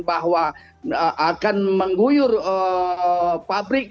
bahwa akan mengguyur pabrik